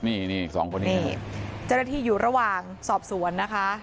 นี่สองคนนี้เจ้าหน้าที่อยู่ระหว่างสอบสวนนะคะ